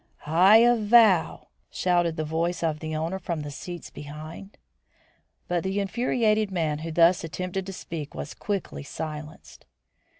"I avow " shouted the voice of the owner from the seats behind. But the infuriated man who thus attempted to speak was quickly silenced.